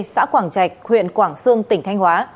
xã quảng trạch huyện quảng sương tỉnh thanh hóa